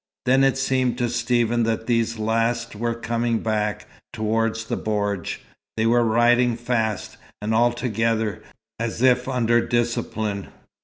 Then it seemed to Stephen that these last were coming back, towards the bordj. They were riding fast, and all together, as if under discipline.